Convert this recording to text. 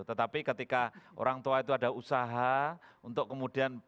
tetapi ketika orang tua itu ada usaha untuk kemudian